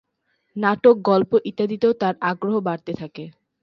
নাটক গল্প ইত্যাদিতে তার আগ্রহ বাড়তে থাকে।